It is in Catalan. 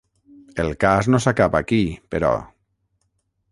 El cas no s’acaba aquí, però.